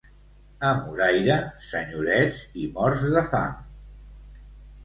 A Moraira, senyorets i morts de fam.